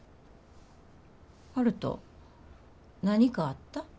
悠人何かあった？